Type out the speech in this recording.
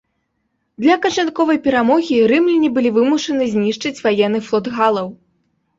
Для канчатковай перамогі рымляне былі вымушаны знішчыць ваенны флот галаў.